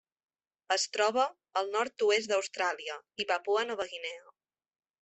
Es troba al nord-oest d'Austràlia i Papua Nova Guinea.